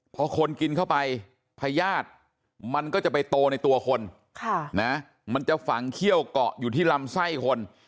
พอคนกินเข้าไปพญาติมันก็จะไปโตในตัวคนมันจะฝังเขี้ยวเกาะอยู่ที่ลำไส้คน